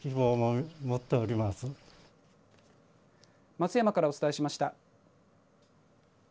松山からお伝えしました。